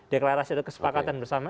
deklarasi atau kesepakatan bersama